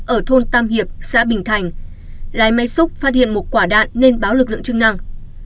ở thôn tam hiệp xã bình thành lái máy xúc phát hiện một quả đạn nên báo lực lượng chức năng